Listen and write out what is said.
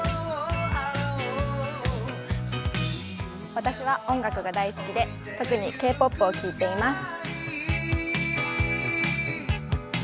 私は、音楽が大好きで特にＫ−ＰＯＰを聴いています。